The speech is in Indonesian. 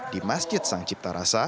di masjid sang cipta rasa